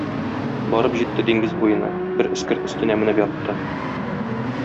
Барып җитте диңгез буена, бер эскерт өстенә менеп ятты.